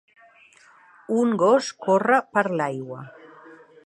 Un gos corre per l'aigua.